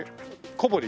小堀？